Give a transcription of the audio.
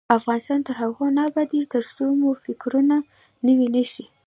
افغانستان تر هغو نه ابادیږي، ترڅو مو فکرونه نوي نشي.